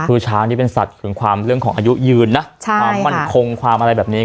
คือช้างนี่เป็นสัตว์ถึงความเรื่องของอายุยืนนะความมั่นคงความอะไรแบบนี้